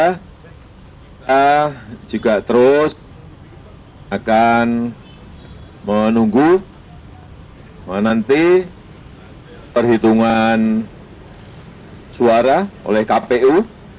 kita juga terus akan menunggu menanti perhitungan suara oleh kpu